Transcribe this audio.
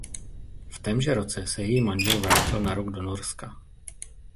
V témže roce se její manžel vrátil na rok do Norska.